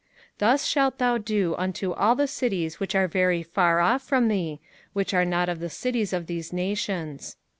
05:020:015 Thus shalt thou do unto all the cities which are very far off from thee, which are not of the cities of these nations.